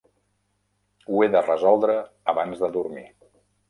Ho he de resoldre abans de dormir.